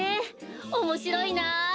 おもしろいな。